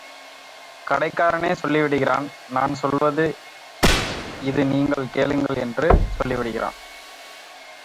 கடைக்காரனே சொல்லிவிடுகிறான் நான் சொல்வது இது நீங்கள் கேளுங்கள் என்று சொல்லிவிடுகிறான்.